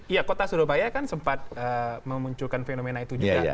ya kota surabaya kan sempat memunculkan fenomena itu juga